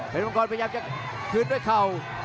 เป็นมังกรพยายามจะคืนด้วยเข่า